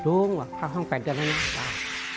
รู้หรือเปล่าเข้าห้อง๘เดือนแล้วไม่ได้